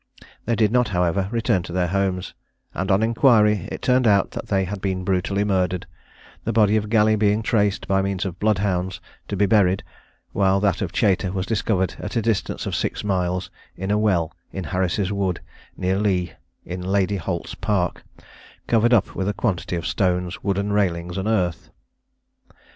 They did not, however, return to their homes, and on inquiry, it turned out that they had been brutally murdered, the body of Galley being traced, by means of bloodhounds, to be buried, while that of Chater was discovered at a distance of six miles, in a well in Harris' Wood, near Leigh, in Lady Holt's Park, covered up with a quantity of stones, wooden railings, and earth.